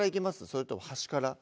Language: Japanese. それとも端から？